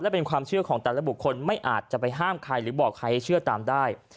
เป็นความเชื่อของแต่ละบุคคลไม่อาจจะไปห้ามใครหรือบอกใครให้เชื่อตามได้